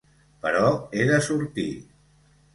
Però he de sortir.